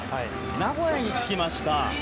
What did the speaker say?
名古屋に着きました。